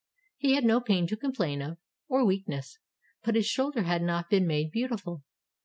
He had no pain to complain of, — or weakness; but his shoulder had not been made beautiful.